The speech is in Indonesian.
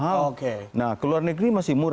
harga tertingginya untuk